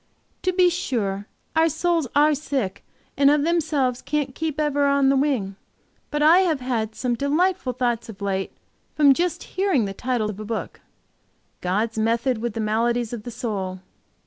To be sure, our souls are sick, and of themselves can't keep 'ever on the wing,' but I have had some delightful thoughts of late from just hearing the title of a book, 'God's method with the maladies of the soul.'